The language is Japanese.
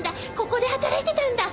ここで働いてたんだ。